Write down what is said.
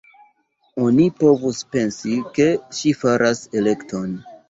Oni povus pensi, ke ŝi faras elekton.